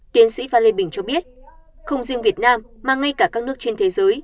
tiến sĩ phan lê bình cho biết không riêng việt nam mà ngay cả các nước trên thế giới